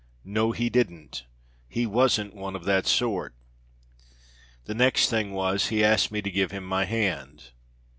"No! he didn't! He wasn't one of that sort! The next thing was, he asked me to give him my hand.